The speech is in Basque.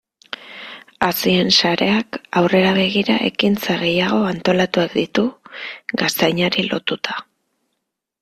Hazien sareak aurrera begira ekintza gehiago antolatuak ditu gaztainari lotuta.